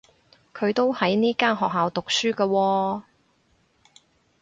佢都喺呢間學校讀書㗎喎